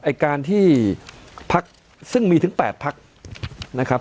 ไอ้การที่พักซึ่งมีถึง๘พักนะครับ